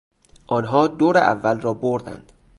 آنها دور اول را بردند.